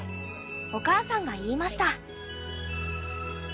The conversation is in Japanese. おかあさんが言いました」。